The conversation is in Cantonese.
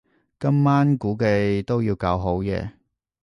今晚估計都要搞好夜